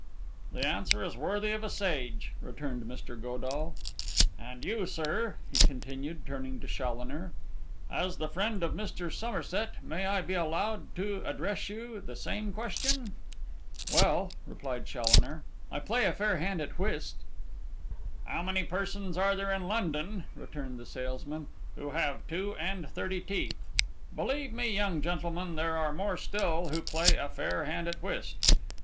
'The answer is worthy of a sage,' returned Mr. Godall. 'And you, sir,' he continued, turning to Challoner, 'as the friend of Mr. Somerset, may I be allowed to address you the same question?' 'Well,' replied Challoner, 'I play a fair hand at whist.' 'How many persons are there in London,' returned the salesman, 'who have two and thirty teeth? Believe me, young gentleman, there are more still who play a fair hand at whist.